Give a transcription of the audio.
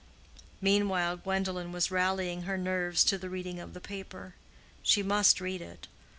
Meanwhile Gwendolen was rallying her nerves to the reading of the paper. She must read it.